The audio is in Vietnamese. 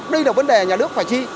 đây là vấn đề nhà nước phải chi